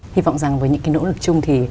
hy vọng rằng với những nỗ lực chung